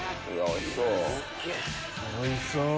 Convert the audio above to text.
おいしそう！